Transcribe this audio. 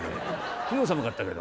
昨日は寒かったけど」。